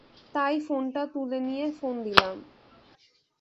তাই ফোনটা তুলে নিয়ে ফোন দিলাম।